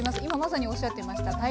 今まさにおっしゃってました